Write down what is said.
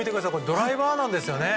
ドライバーなんです。